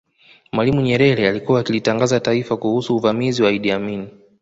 Mwalimu Nyerere alikuwa akilitangazia taifa kuhusu uvamizi wa Idi Amin